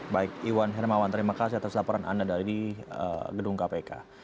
baik iwan hermawan terima kasih atas laporan anda dari gedung kpk